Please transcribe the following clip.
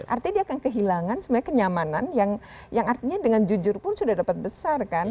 artinya dia akan kehilangan sebenarnya kenyamanan yang artinya dengan jujur pun sudah dapat besar kan